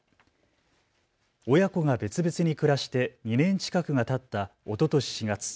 親子が別々に暮らして２年近くがたった、おととし４月。